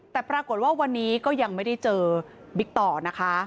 แต่ปรากฏว่าวันนี้ก็ยังไม่ได้เจอบิ๊กต่อนะคะ